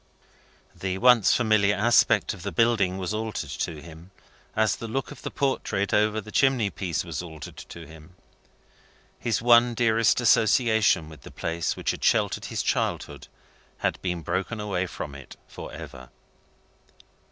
The once familiar aspect of the building was altered to him, as the look of the portrait over the chimney piece was altered to him. His one dearest association with the place which had sheltered his childhood had been broken away from it for ever.